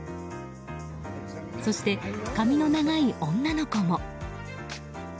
そして髪の長い女の子も。